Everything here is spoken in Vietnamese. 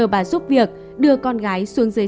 và giúp việc đưa con gái xuống dưới